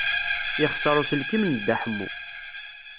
Yexṣer uselkim n Dda Ḥemmu.